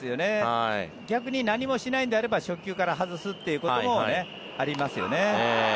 逆に何もしないのであれば初球から外すということもありますよね。